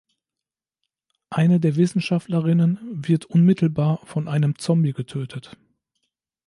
Eine der Wissenschaftlerinnen wird unmittelbar von einem Zombie getötet.